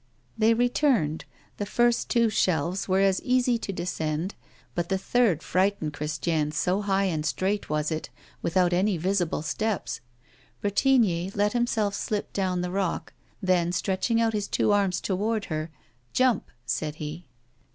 They returned. The first two shelves were as easy to descend, but the third frightened Christiane, so high and straight was it, without any visible steps. Bretigny let himself slip down the rock; then, stretching out his two arms toward her, "Jump," said he.